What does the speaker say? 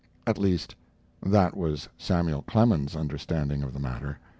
At least that was Samuel Clemens's understanding of the matter.